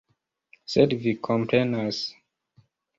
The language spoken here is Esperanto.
Sed vi komprenas.